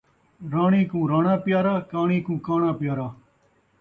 راݨی کوں راݨاں پیارا، کاݨی کوں کاݨاں پیارا